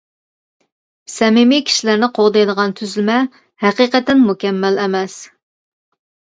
سەمىمىي كىشىلەرنى قوغدايدىغان تۈزۈلمە ھەقىقەتەن مۇكەممەل ئەمەس.